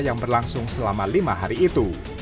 yang berlangsung selama lima hari itu